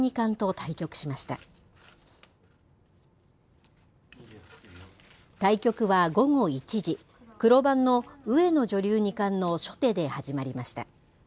対局は午後１時、黒番の上野女流二冠の初手で始まりました。